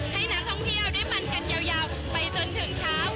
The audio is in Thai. ให้นักท่องเที่ยวได้มันกันยาวไปจนถึงเช้า